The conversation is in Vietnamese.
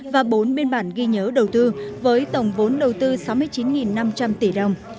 và bốn biên bản ghi nhớ đầu tư với tổng vốn đầu tư sáu mươi chín tỷ đồng